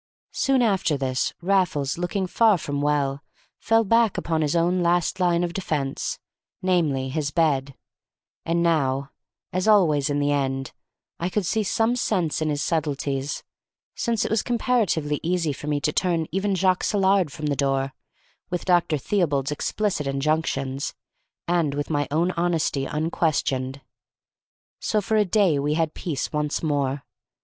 Soon after this, Raffles, looking far from well, fell back upon his own last line of defence, namely, his bed; and now, as always in the end, I could see some sense in his subtleties, since it was comparatively easy for me to turn even Jacques Saillard from the door, with Dr. Theobald's explicit injunctions, and with my own honesty unquestioned. So for a day we had peace once more.